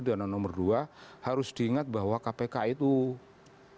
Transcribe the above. dan nomor dua harus diingat bahwa kpk itu mandat reformasi